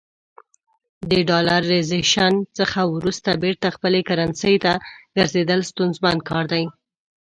د ډالرایزیشن څخه وروسته بیرته خپلې کرنسۍ ته ګرځېدل ستونزمن کار دی.